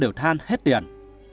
cô đều than hết điện